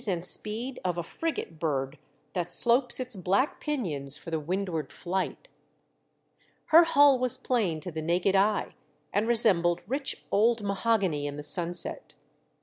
and speed of a frigate bird that slopes its black pinions for the windward flight. Her hull was plain to the naked eye and resembled rich old mahogany in the sunset.